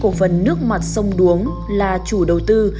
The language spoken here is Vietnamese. công ty cổ phần nước mặt sông đuống là chủ đầu tư